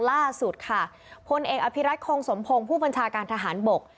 ล่าสุดค่ะพลเอกอภิรัตคงสมพงศ์ผู้บัญชาการทหารบก